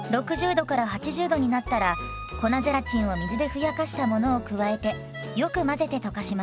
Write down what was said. ℃から８０℃になったら粉ゼラチンを水でふやかしたものを加えてよく混ぜて溶かします。